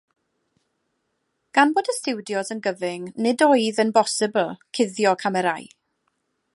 Gan bod y stiwdios yn gyfyng nid oedd yn bosibl cuddio camerâu.